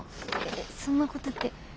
えそんなことって。